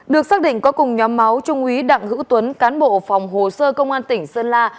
được xác định có cùng nhóm máu trung úy đặng hữu tuấn cán bộ phòng hồ sơ công an tỉnh sơn la